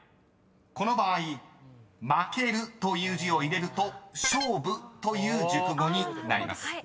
［この場合負けるという字を入れると「勝負」という熟語になります］